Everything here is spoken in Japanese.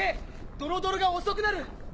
ドロドロが遅くなる！